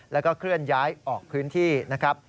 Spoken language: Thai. แล้วก็เคลื่อนย้ายออกพื้นที่นะครับ